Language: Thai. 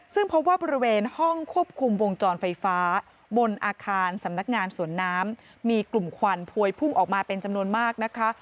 ซึ่งพบว่าบริเวณห้องควบคุมวงจรไฟฟ้าบนอาคารสำนักงานสวนน้ำมีกลุ่มควันพวยพุ่งออกมาเป็นจำนวนมากนะคะ